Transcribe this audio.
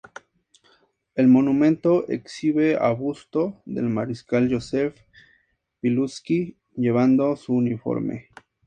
El monumento exhibe a busto del mariscal Józef Piłsudski llevando su uniforme.